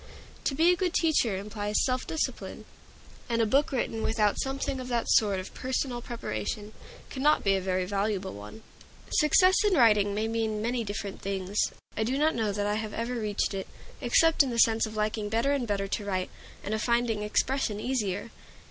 To be a good teacher implies self discipline, and a book written without something of that sort of personal preparation cannot be a very valuable one. Success in writing may mean many different things. I do not know that I have ever reached it, except in the sense of liking better and better to write, and of finding expression easier.